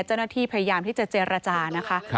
เจ้าหน้าที่พยายามที่จะเจรจานะคะ